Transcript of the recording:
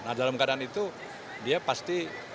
nah dalam keadaan itu dia pasti